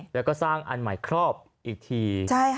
แล้วก็สร้างอันใหม่ครอบอีกที